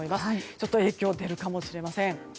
ちょっと影響が出るかもしれません。